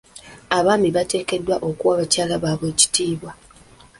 Abaami bateekeddwa okuwa bakyala baabwe ekitiibwa.